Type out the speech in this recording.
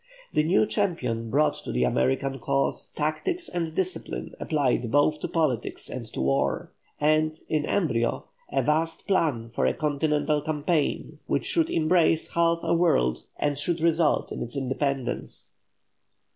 The new champion brought to the American cause tactics and discipline applied both to politics and to war; and, in embryo, a vast plan for a continental campaign which should embrace half a world and should result in its independence.